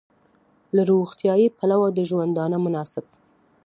له روغتیايي پلوه د ژوندانه مناسب